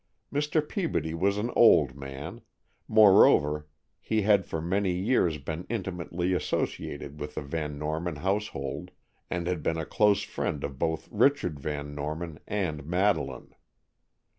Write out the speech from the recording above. Mr. Peabody was an old man; moreover, he had for many years been intimately associated with the Van Norman household, and had been a close friend of both Richard Van Norman and Madeleine.